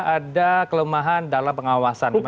ada kelemahan dalam pengawasan